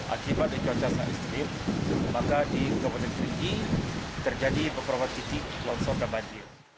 akibat cuaca ekstrim maka di kabupaten keriki terjadi beberapa titik longsor dan banjir